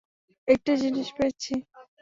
একই জিনিস পেয়েছি।